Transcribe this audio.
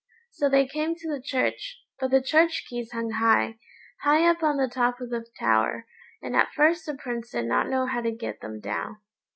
So they came to the church; but the church keys hung high, high up on the top of the tower, and at first the Prince did not know how to get them down.